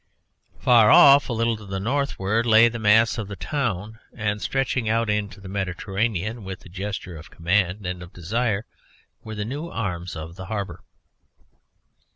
Far off, a little to the northward, lay the mass of a town; and stretching out into the Mediterranean with a gesture of command and of desire were the new arms of the harbour.